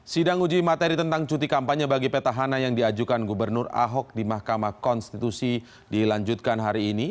sidang uji materi tentang cuti kampanye bagi petahana yang diajukan gubernur ahok di mahkamah konstitusi dilanjutkan hari ini